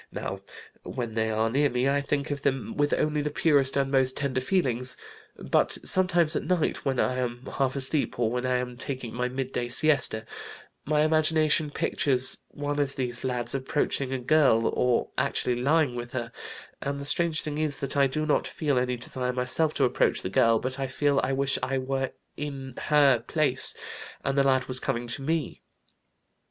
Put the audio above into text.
Now when they are near me I think of them with only the purest and most tender feelings, but sometimes at night when I am half asleep, or when I am taking my midday siesta, my imagination pictures one of these lads approaching a girl, or actually lying with her, and the strange thing is that I do not feel any desire myself to approach the girl, but I feel I wish I were in her place and the lad was coming to me.